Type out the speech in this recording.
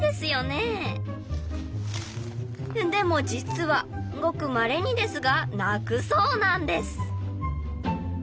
でも実はごくまれにですが鳴くそうなんです。